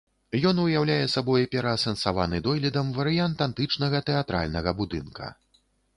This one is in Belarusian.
Ён уяўляе сабой пераасэнсаваны дойлідам варыянт антычнага тэатральнага будынка.